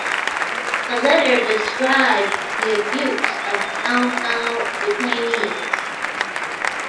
The letter described the abuse of Mau Mau detainees.